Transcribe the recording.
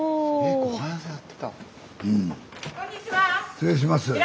失礼します。